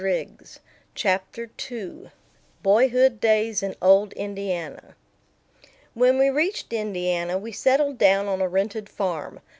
] CHAPTER TWO BOYHOOD DAYS IN OLD INDIANA WHEN we reached Indiana we settled down on a rented farm.